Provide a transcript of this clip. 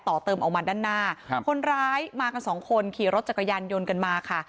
ต่อเติมออกมาด้านหน้าครับคนร้ายมากันสองคนขี่รถจักรยานยนต์กันมาค่ะ